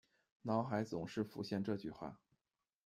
脑海总是浮现这句话